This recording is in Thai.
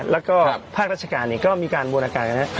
แล้วก็ภาคราชการเนี่ยก็มีการวชิคการณ์